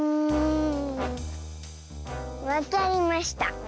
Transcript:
わかりました。